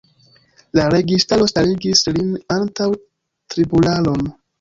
La registaro starigis lin antaŭ tribunalon.